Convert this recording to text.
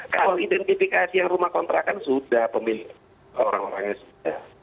kalau identifikasi rumah kontra kan sudah pemilik orang orangnya sudah